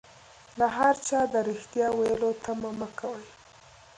له هر چا د ريښتيا ويلو تمه مکوئ